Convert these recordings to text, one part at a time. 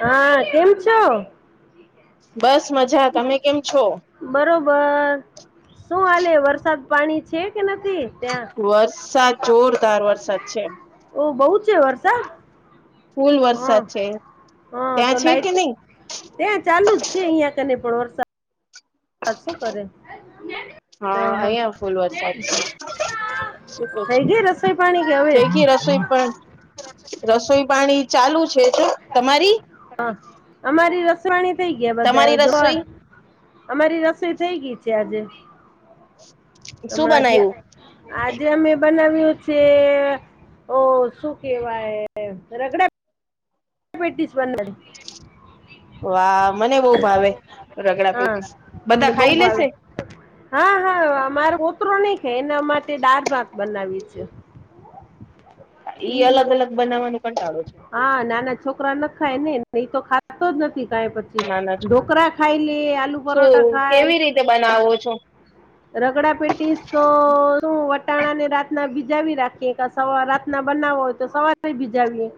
હ કેમ છો? બસ મજા તમે કેમ છો? બરોબર શું હાલે વરસાદ પાણી છે કે નથી? ત્યાં વરસાદ જોરદાર વરસાદ છે. ઓ બોવ છે વરસાદ? ફૂલ હા વરસાદ છે. હા ત્યાં તો છે કે લાઈટ નહી ત્યાં ચાલુ જ છે અહિયાં કને પણ વરસાદ શું કરે હા હમ્મ હા અહિયાં ફૂલ વરસાદ છે. શું કરો છો થઈ ગઈ રસોઈ પાણી કે હવે થઈ ગઈ રસોઈ પણ રસોઈ પાણી ચાલુ છે જો તમારી? અમારી રસવાની થઈ ગયા બધા તમારી જો રસોઈ અમારી રસોઈ થઈ ગઈ છે આજે. [inaudible] હમણાં બનાવ્યું જ્યાં આજે અમે બનાવ્યું. છે ઓ શું કેવાય રગડા પેટિસ વાહ બનાવી મને બહુ ભાવે રગડા હા પેટીસ બધા તમને બહુ ખાઈ ભાવે. લેશે હા હા મારો પોતરો નહી ખાય એના માટે દાળ ભાત બનાવી છે. ઈ અલગ અલગ બનાવાનો કંટાળો છે. હા નાન છોકરા નખાય ને એ તો ખાતો જ નથી કાઈ પછી. નાના છો ઢોકરા ખાયલે આલુ પરોઠા ખાાય. તે બનાવો છો? રગડા પેટીશ તો શું વટાણાને રાતના ભીજાવી રાખીએ. સવા રાતના બનાવો હોય તો સવારે ભીજાવીએ.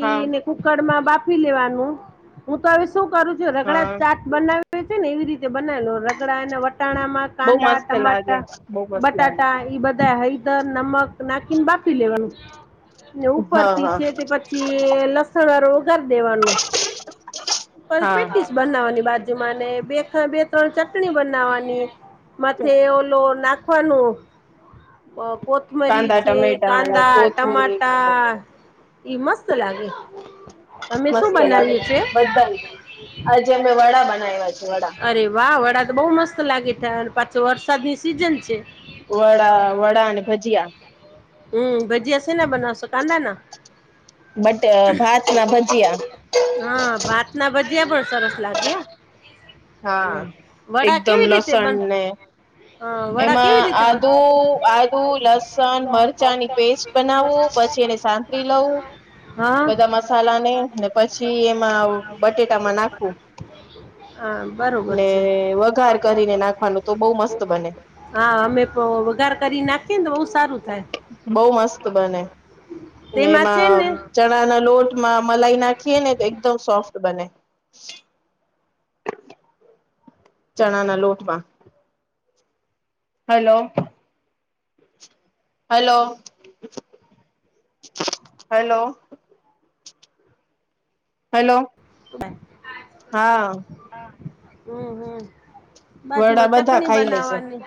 હા એને કૂકર મા બાફી લેવાનું પછી હું તો હવે શું કરું રગડા હા ચાટ બનાવે છે ને એવી રીતે બનાવે લઉ. રગડા ના વટાણા મા બહુ કાંદા મસ્ત લાગે ટમાટા બહુ મસ્ત લાગે બટાટા એ બધા હરી દર નમક નાખીને બાફી લેવાનું ઉપર હા થી હા છે તે પછી પછી લસણ વારૂ વઘારી દેવાનું હા બનાવવાની બાજુ માં ને બે બે ત્રણ ચટણી બનાવાની. માથે ઓલો નાખવાનું કો થમરી કાંદા ચે ટમેટા અને કાંદા કોથમીર ને બધું ટમાટા ઈ મસ્ત લાગે. તમે શું મસ્ત લાગે બનાવ્યું છે? બધાને આજે અમે વડા બનાવ્યા છે વડા અરે વાહ વડા તો બહ મસ્ત લાગે છે પાચો વરસાદ સીઝન છે. વડા ને ભજીયા. હમ ભજીયા સેના બનાવસો? બટ ભાત ના ભજીયા. હા ભાત ના ભજીયા પણ સરસ લાગ્યા. હા એકદમ લસણ ને હા વડા એમાં કેવી રીતે બન આદુ આદુ લસણ મરચાંની પેસ્ટ બનાવું પછી એને સાંતળી લવું હા બધા મસાલા ને પછી એમાં બટેટામાં નાખુ. હા બરોબર છે. તરીને નાખવાનું તો બહુ મસ્ત બને. હા અમે વઘાર કરીને નાખીએને બહ સારું થાય. બઉ મસ્ત બને ને તેમાં છે એમાં ને ચણા ના લોટમાં મલાઈ નાખીએે ને તો એકદમ સોફ્ટ બને. ચણા ના લોટમાં. Hello, hello hello. હલો. હા. હમ હમ વડા બાજુમાં બધા ચટણી ખાઈ લે છે બનાવાની.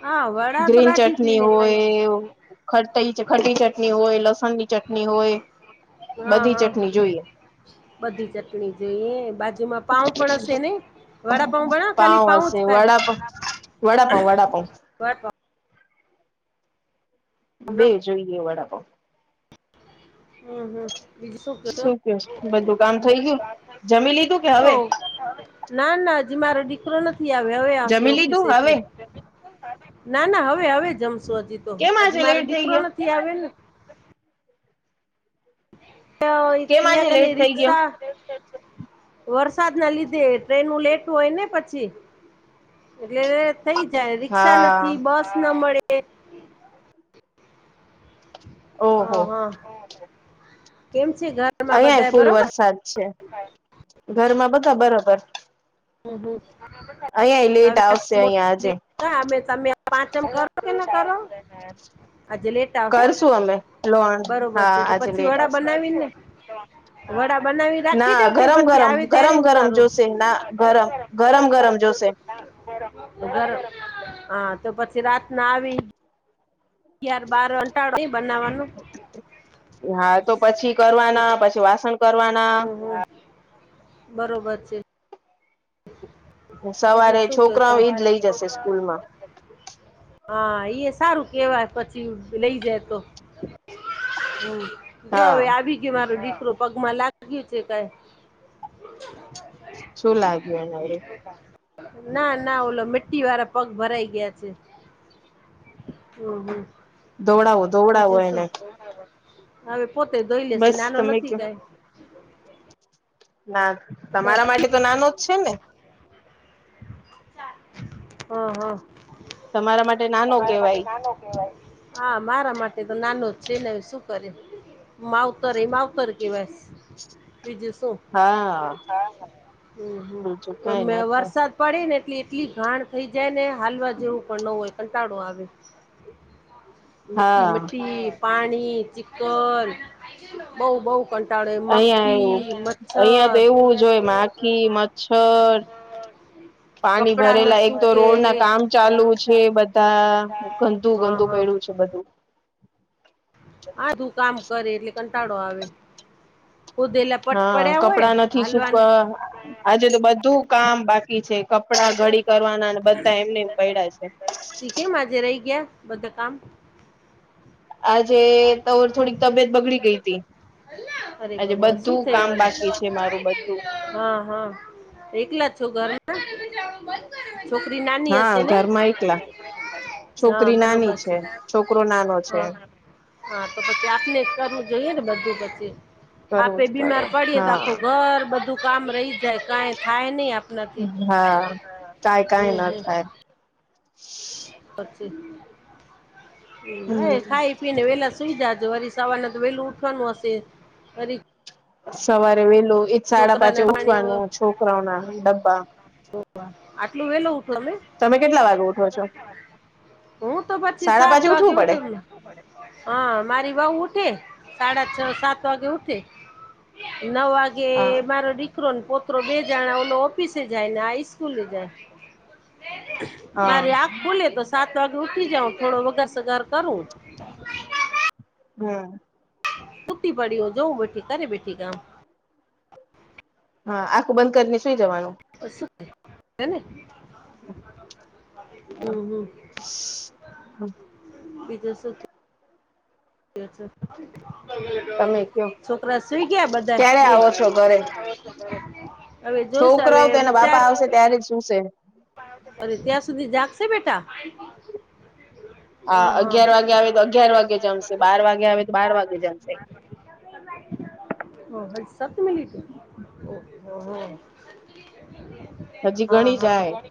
હા અવાજ ગ્રીન ચટણી હોય. ખ ખટી ચટણી હોય, લસણની ચટણી હોય, હા બધી હા ચટણી જોઈએ. બધી ચટણી જોઈએ, બાજુમાં પાઉ પણ હશે નઈ? વડાપઉ બનાવે ખાલી પાઉ જ હશે વડાપઉ વડાપઉ વડાપઉ ખાય. બે જોઈએ વડાપાંવ. હમ હમ. બીજું કે છો શું કયોસ? બધું કામ થઈ ગયું? જમી લીધું કે હવે? ઓ ના ના હજી મારો દીકરો નથી આવ્યો હવે આવશે જમી લીધું હવે ઓફિસેથી. ના ના હવે હવે જમશું હજી તો કેમ આજે હજી મારો લેટ થઈ દીકરો ગયો નથી આવ્યો ને. કેમ આજે [unintelligible] ની લેટ થઈ ગયો રિક્શા વરસાદ ના લીધે ટ્રેનું લેટ હોય ને પછી એટલે થઈ જાય રિક્સા હા નથી બસ ના મળે [unintelligible] હા ઓહો હા હું કેમ છે? ઘર અહીંયા ફૂલ વરસાદ છે. ઘરમાં બધા બરોબર. હમ હમ [unintelligible] અહીંયા લેટ આવશે અહિયાં આજે. ના અમે તમે પાંચમ કરો કે ના કરો? લાવશે કરશું અમે લોન બરોબર હા છે તો આજે પછી લેટ વડા આવશે બનાવી ને વડા બનાવી રાખી ના દયો કે ગરમ પછી ગરમ આવે ત્યારે ગરમ ગરમ ઉતારું? જોશે ના ગરમ ગરમ ગરમ જોશે. હા તો પછી રાતના આવી [unintelligible] [unintelligible] બનવાનું હા તો પછી કરવાના પછી વાસણ કરવાના હા બરોબર છે. બીજું સવારે શું કે છો? છોકરાઓ એજ લઇ જશે સ્કૂલ માં. હા ઈ અય સારું કેવાય પછી લઈ જાય તો. હમ હા જોવે આવી મારો દીકરો પગમાં લાગ્યું છે કઈ. શું લાગ્યું એને વરી? ના ના ઓલો મિટ્ટી વાળા પગ ભરાઈ ગયા છે. હમ હમ ધોવડવો ધોવડાવો બીજું શું એને. હવે પોતે ધોઈ લેશે બસ નાનો તમે નથી કયો કઈ. ના બસ તમારા માટે તો નાનો જ છે ને. હા હા તમારા માટે નાનો કહેવાય. નાનો કેવાય હા મારા માટે તો નાનો જ છે ને હવે શું કરે માવ હકુ માવતર એ માવતર કેવાય. બીજું શું. હા હા હા બીજું તો કઈ મે ના થાય વરસાદ પડી ને એટલી એટલી ઘાણ થઈ જાય ને હાલવા જેવું પણ ન હોય કંટાળો આવે મિટ્ટી હા મિટ્ટી પાણી ચીકર બહું બહુ કંટાળો અહિયાં એવું મક્ખી, અહિયાં તો મચ્છર એવું જ હોય માખી મચ્છર [unintelligible] પાણી કપડા ન ભરેલા એક તો સુકે રોડ ના કામ ચાલુ છે બધા. ગંદુ હા ગંદુ હા પડ્યું છે બધું. આધું કામ કરે એટલે કંટાળો આવે ખોદેલા હા કપડા નથી સુકા આજે તો બધું કામ બાકી છે કપડા ઘડી કરવાના અને બધા એમનેમ પડ્યા છે. તી કેમ આજે રહી ગયા બધા કામ? [inaudible] આજે તો થોડીક તબિયત બગડી ગઈ હતી. અરે આજે ભગવાન શું બધું કામ થયુ બાકી છે મારું બધું વળી? હા હા એકલા છો ઘરે? [inaudible] છોકરી નાની હા હશે ને? ઘરમાં એકલા હા છોકરી નાની બરોબર છે છોકરો નાનો છે હા. હા તો પછી આપને જ કરવું જોઈએ ને બધું પછી. કરવું આપડે જ બીમાર પડે પડીએે તો આખું હા ઘર બધું કામ રહી જાય કાઈ થાય નહી આપ હા કાય કઈ ના હમ થાય પછી એ હમ હોય ખાઈ ને વેલા સુઈ જજો સવારના તો વેલું ઉઠવાનું હશે વરી સવારે વેલું એજ સાડા પાંચે છોકરાને પાણી ઊઠવાનું છોકરાઓ ના ડબ્બા આટલું વેલુ ઊઠવાનું તમે કેટલા વાગે ઉઠો છો હું તો પછી સાડા સાત પાંચે વાગે ઉઠવું પડે ઉઠું હ મારી વઉ ઉઠે સાડા છ સાત વાગે ઉઠે નવ વાગે હા મારો છોકરો ને પોત્ર બે જણા ઓફિસે જાય ને આ હાઈસ્કૂલે જાય હા મારી આખ ખુલે તો સાત વાગે ઉઠી જાવ થોડો વગાર સગાર કરું હમ્મ સુતી પડી હોવ જોવું બેઠી કરે બેઠી કામ હા આખું બંધ કરીને સુઈ જવાનું તો શું કે હેને હમ્મ હમ્મ બીજ શું કે તમે કયો છોકરા સુઈ ગયા બધાય ક્યારે બે આવો છો ઘરે હવે જોઈશ હવે છોકરાઓ તો એના વિચાર બાપા આવશે ત્યારે શું છે અરે ત્યાં સુધી જાગશે બેટા હા અગિયાર વાગે આવે તો અગિયાર વાગે જમશે બાર વાગે આવે તો બાર વાગે જમશે ઓ હો [unintelligible] લીધું ઓ હો [inaudible] હ ઘણી જાય હ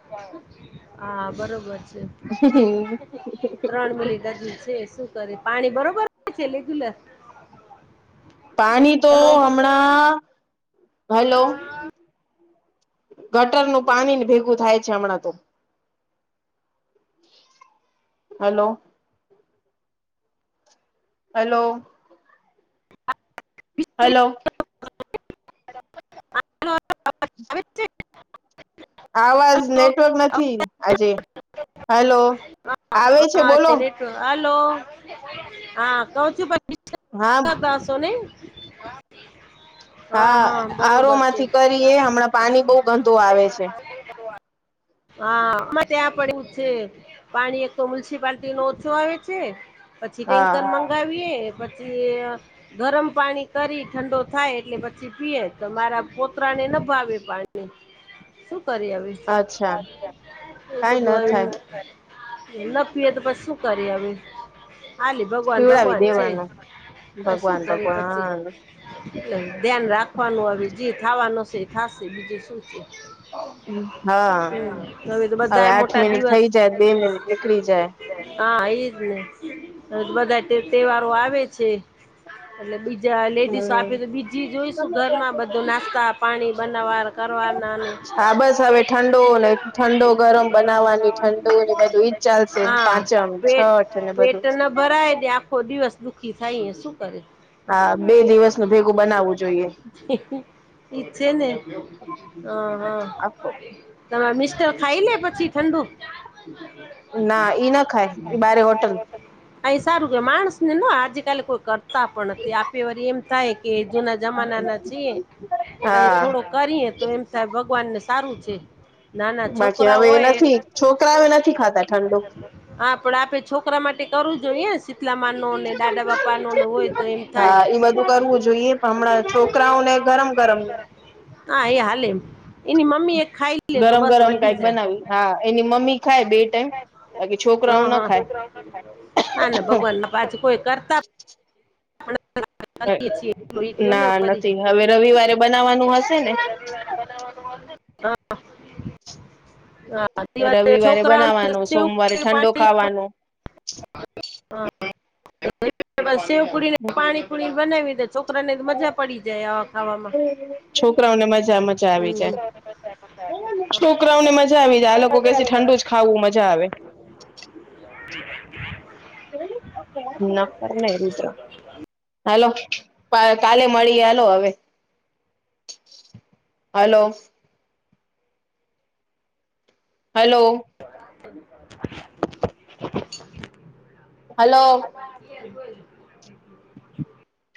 હા બરોબર છે હમ્મ ત્રણ મિનિટ હજુ છે શું કરે પાણી બરોબર છે લેગ્યુલર પાણી તો હમણાં હાલો ગટરનું પાણી ન ભેગું થાય છે હમણાં તો હાલો હાલો હાલો આવી આવાજ નેટવર્ક નથી આજે હાલો આવે છે બોલો હલો હા કો [unintelligible] હા હા આરો બરોબર છે માંથી કરીએ હમણાં પાણી બહુ ગંદુ આવે છે [inaudible] હા આમાં ત્યાં પડ્યું છે પાણી એક તો મ્યુનિસિપાલટી નું ઓછુ આવે છે પછી હા ટેન્કર મંગાવીએ પછી ગરમ પાણી કરી ઠંડો થાય એટલે પછી પીએ તો પોતરાને ન ભાવે પાણી [inaudible] શું કરીએ હવે અચ્છા કઈ ન થાય [unintelligible] ન પીએ તો પછી શું કરી આવી હાલે ભગવાન પીવડાવી ભગવાન છે દેવાનું હ શું ભગવાન કરે પછી ભગવાન એટલે ધ્યાન રાખવાનું હવે જે થાવાનું હશે એ થાસે બીજું શું છે? હા હમ્મ હવે તો બધાય આઠ મોટા મિનિટ દિવસ થઈ જાય બે મિનિટ નીકળી જાય હા એજ ને હવે તો બધા તે તહેવારો આવે છે. એટલે બીજા લેડીસો હમ આપી તો બીજી જોઈશું ઘરમાં બધો નાસ્તા પાણી બનાવાર કરવાના ન હા બસ હવે ઠંડો ને ઠંડો ગરમ બનાવવાની ઠંડો ને બધું ઈ જ ચાલશે હા પાંચમ પેટ છઠ ઠ ને પેટ બધું. ન ભરાય ને આખો દિવસ દુઃખી થઈએ શું કરે? હા બે દિવસ નું ભેગું બનાવવું [unintelligible] હા જોઈએ હા ઇજ છેને હા હા આખો [unintelligible] તમાર મિસ્ટર ખાઈ લે પછી ઠંડુ. ના ઈ ના ખાય ઈ બારે હોટલ. અહી સારું કેવા માણસને ના આજ કાલે કોઈ કર તા પણ નથી આપ્યો વરી એમ થાય કે જુના જમાના ના છીએ તો એ હા થોડોક કરીએ તો એમ સાહેબ ભગવાનને સારું છે. નાના બાકી છોકરા હવે હોય એનાથી છોકરાઓ નથી ખાતા ઠંડુ. હા પણ આપે છોકરા માટે કરું જોઈએ શીતલામાનો ને દાદા બાપા નોને હોય તો એ હા એ બધું કરવું જોઈએ પણ હમણાં છોકરાઓ ને ગરમ ગરમ હા એ હાલે. એની મમ્મી એ ખાઈ લે તો ગરમ બસ ગરમ વધી કઈક જાય બનાવી હા એની મમ્મી ખાય બે ટાઈમ. બાકી છોકરાઓ હા ન હા ખાય. ના ના ભગવાનમાં પાછું કોઈ કરતા ઓય કરીએ છીએ એટલું ઈ કયો ને ના વરી નથી હવે રવિવારે બનાવાનું હશે ને બનાવાનું હશે [unintelligible] હા હા હા [unintelligible] વાત છે રવિવારે છોકરાઓને બનાવાનું સોમવારે ઠંડો ખાવાનો [unintelligible] [unintelligible] સેવ કુડીને પાણી પુડી બનાવી દે છોકરાને જ મજા જાય આવા ખાવામાં. છોકરાઓને મજા મ જા આવી જાય. હમ. છોકરાઓને મજા આવી જાય આ લોકો કે છે ઠંડુ જ ખાવું મજા આવે. [inaudible] [unintelligible] [unintelligible] ન કરી ને રુદ્ર. હલો કા કાલે મળીએ હલો અવે. [unintelligible] Hello hello [unintelligible] hello [unintelligible] [unintelligible]